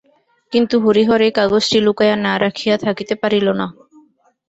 কিন্তু হরিহর এ কাগজটি লুকাইয়া না রাখিয়া থাকিতে পারিল না।